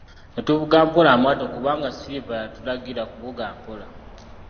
Ne tuvuga mpola amaato kubanga Silver yatulagira kuvuga mpola.